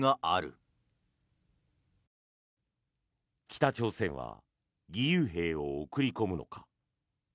北朝鮮は義勇兵を送り込むのか。